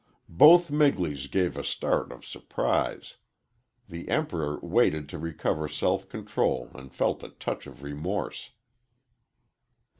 Both Migleys gave a start of surprise. The Emperor waited to recover self control and felt a touch of remorse.